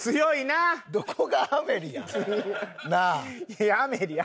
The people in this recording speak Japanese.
いや『アメリ』や。